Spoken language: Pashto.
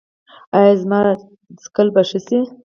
ایا زما څکل به ښه شي؟